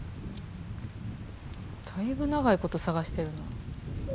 だいぶ長いこと探してるな。